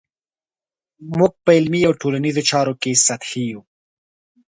موږ په علمي او ټولنیزو چارو کې سطحي یو.